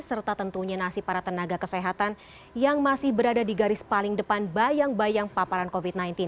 serta tentunya nasib para tenaga kesehatan yang masih berada di garis paling depan bayang bayang paparan covid sembilan belas